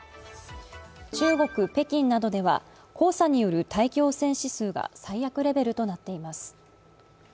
中国・北京などでは黄砂による大気汚染レベルが最悪レベルとなっています。